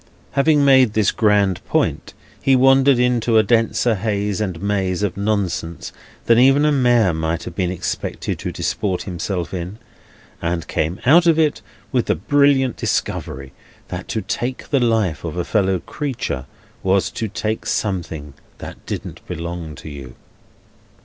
Having made this grand point, he wandered into a denser haze and maze of nonsense than even a mayor might have been expected to disport himself in, and came out of it with the brilliant discovery that to take the life of a fellow creature was to take something that didn't belong to you.